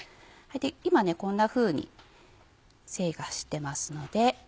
今こんなふうに繊維が走ってますので。